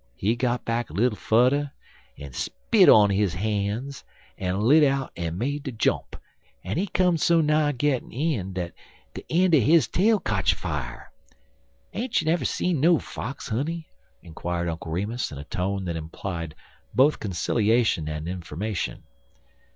He got back little fudder, en spit on his han's, en lit out en made de jump, en he come so nigh gittin' in dat de een' er his tail kotch afier. Ain't you never see no fox, honey?" inquired Uncle Remus, in a tone that implied both conciliation and information.